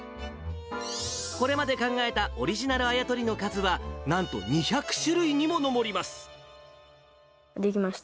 これまで考えたオリジナルあや取りの数は、なんと２００種類にもできました。